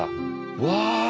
うわ！